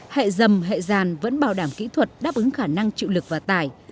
hệ dầm hệ giàn vẫn bảo đảm kỹ thuật đáp ứng khả năng chịu lực và tài